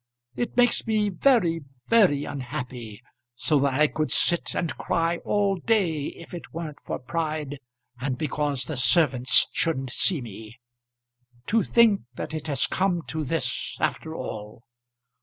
It makes me very very unhappy, so that I could sit and cry all day if it weren't for pride and because the servants shouldn't see me. To think that it has come to this after all!